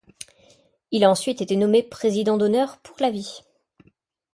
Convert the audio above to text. Il a ensuite été nommé président d'honneur pour la vie.